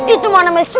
itu mana mesyu